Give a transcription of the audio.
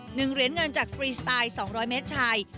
หนึ่งเหรียญเงินจากฟรีสไตล์สองร้อยเมตรชาย